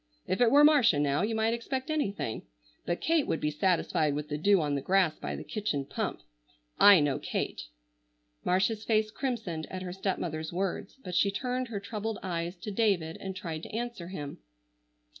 If it were Marcia now, you might expect anything, but Kate would be satisfied with the dew on the grass by the kitchen pump. I know Kate." Marcia's face crimsoned at her stepmother's words, but she turned her troubled eyes to David and tried to answer him.